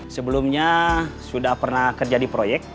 sebelumnya sudah pernah kerja di proyek